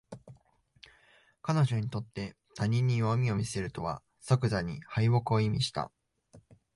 彼女にとって他人に弱みを見せるとは即座に敗北を意味した